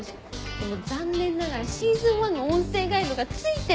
でも残念ながらシーズン１の音声ガイドが付いてないの。